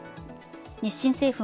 日清製粉